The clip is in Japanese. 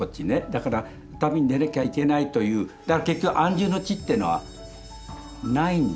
だから旅に出なきゃいけないという結局安住の地ってのはないんだなと。